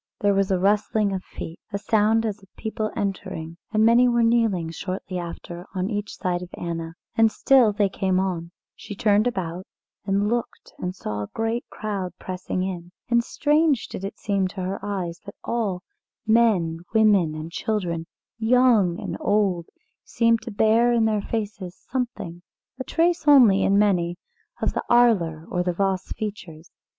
There was a rustling of feet, a sound as of people entering, and many were kneeling, shortly after, on each side of Anna, and still they came on; she turned about and looked and saw a great crowd pressing in, and strange did it seem to her eyes that all men, women, and children, young and old seemed to bear in their faces something, a trace only in many, of the Arler or the Voss features.